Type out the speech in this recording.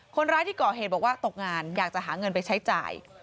คนร้ายที่ก่อเหตุบอกว่าตกงานอยากจะหาเงินไปใช้จ่าย